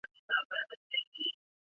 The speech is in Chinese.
他由德范八世接替。